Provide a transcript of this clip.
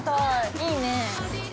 ◆いいねー。